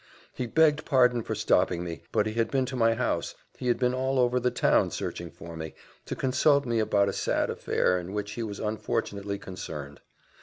He begged pardon for stopping me, but he had been to my house he had been all over the town searching for me, to consult me about a sad affair, in which he was unfortunately concerned.